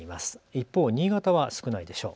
一方、新潟は少ないでしょう。